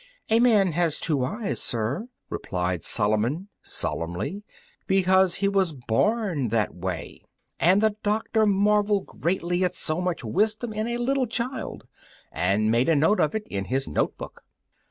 "A man has two eyes, sir," returned Solomon, solemnly, "because he was born that way." And the doctor marvelled greatly at so much wisdom in a little child, and made a note of it in his note book.